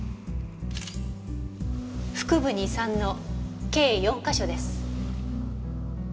腹部に３の計４か所です。